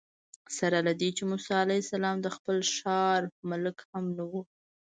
سره له دې چې موسی علیه السلام د خپل ښار ملک هم نه و.